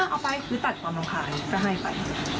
เอาไปตัดความร้องขายก็ให้ไป